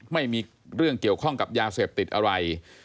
ไม่มีเรื่องเกี่ยวข้องกับยาเสพติดอะไร